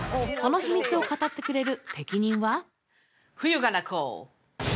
その秘密を語ってくれる適任は？